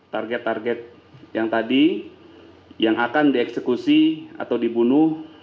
target target yang tadi yang akan dieksekusi atau dibunuh